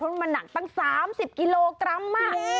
เพราะมันหนักตั้ง๓๐กิโลกรัม